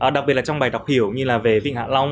đặc biệt là trong bài đọc hiểu như là về vịnh hạ long